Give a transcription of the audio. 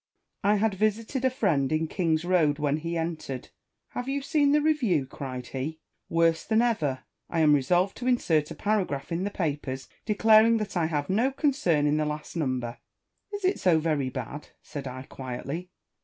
I had visited a friend in King's Road when he entered. " Have you seen the Review?" cried he. "Worse than ever ! I am resolved to insert a paragraph in the papers, declaring that I had no concern in the last number." "Is it so very bad?" said I, quietly.